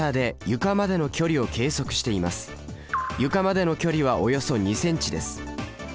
床までの距離はおよそ２ｃｍです。